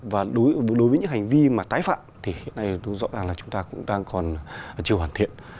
và đối với những hành vi mà tái phạm thì hiện nay rõ ràng là chúng ta cũng đang còn chưa hoàn thiện